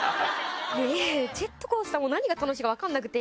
ジェットコースター何が楽しいか分からなくて。